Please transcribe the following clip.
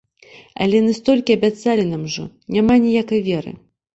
Але яны столькі абяцалі нам ужо, няма ніякай веры.